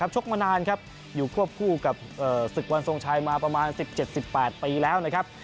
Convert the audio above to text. ชกมานานครับอยู่ควบคู่กับศึกวันทรงชัยมาประมาณ๑๗๑๘ปีแล้วนะครับ